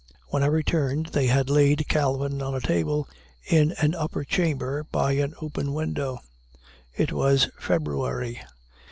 When I returned, they had laid Calvin on a table in an upper chamber by an open window. It was February.